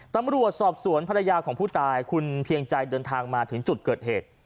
ตำรวจสอบสวนภรรยาของผู้ตายคุณเพียงใจเดินทางมาถึงจุดเกิดเหตุ